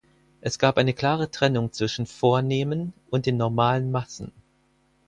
Es gab eine klare Trennung zwischen Vornehmen und den normalen Massen.